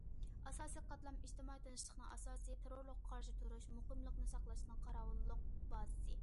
ئاساسىي قاتلام ئىجتىمائىي تىنچلىقنىڭ ئاساسى، تېررورلۇققا قارشى تۇرۇش، مۇقىملىقنى ساقلاشنىڭ قاراۋۇللۇق بازىسى.